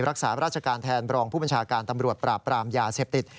รักษาราชการแทนบรองผู้บัญชาการตำรวจปราบปรามยาเสพติด